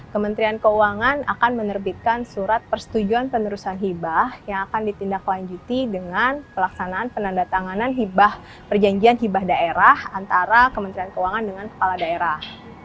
kementrian keuangan akan menerbitkan surat persetujuan penerusan hiba yang akan ditindaklanjuti dengan pelaksanaan penandatanganan perjanjian hiba daerah antara kementrian keuangan dengan kepala daerah